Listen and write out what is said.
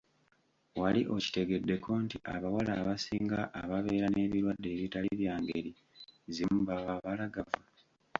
Wali okitegeddeko nti abawala abasinga ababeera n’ebirwadde ebitali bya ngeri zimu baba babalagavu ?